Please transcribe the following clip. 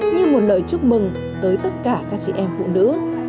như một lời chúc mừng tới tất cả các chị em phụ nữ